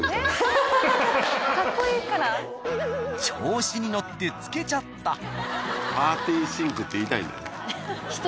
調子に乗ってつけちゃった。